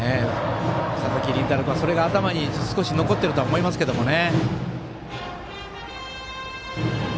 佐々木麟太郎君はそれが頭に少し残っているとは思いますけどね。